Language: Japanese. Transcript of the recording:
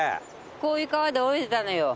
こういう川で泳いでたのよ。